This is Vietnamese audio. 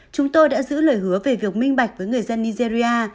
chúng tôi đã giữ lời hứa về việc minh bạch với người dân nigeria